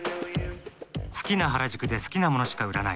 好きな原宿で好きなものしか売らない。